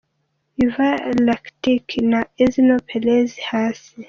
Ivan Rakitic na Enzo Perez hasi .